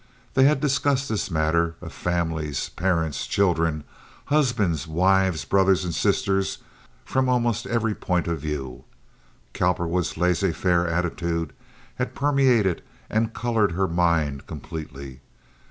They had discussed this matter of families—parents, children, husbands, wives, brothers, sisters—from almost every point of view. Cowperwood's laissez faire attitude had permeated and colored her mind completely.